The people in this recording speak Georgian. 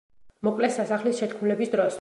მოკლეს სასახლის შეთქმულების დროს.